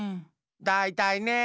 だいたいね！